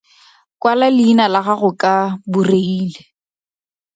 Kwala leina la gago ka Boreile.